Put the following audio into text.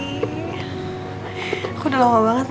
aku udah lama banget